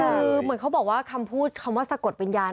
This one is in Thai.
คือเหมือนเขาบอกว่าคำพูดคำว่าสะกดวิญญาณ